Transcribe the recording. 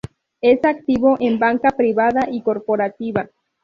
Es activo en banca privada y corporativa.